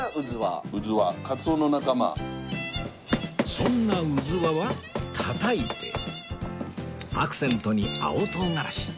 そんなうずわはたたいてアクセントに青唐辛子